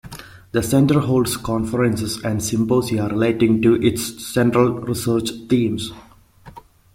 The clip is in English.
The Centre holds conferences and symposia relating to its central research themes.